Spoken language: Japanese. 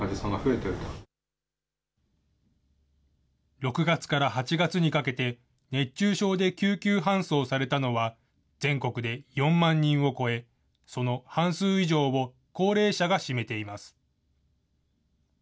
６月から８月にかけて、熱中症で救急搬送されたのは、全国で４万人を超え、その半数以上を高齢者が占めています。